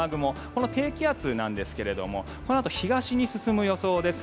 この低気圧なんですけれどもこのあと東に進む予想です。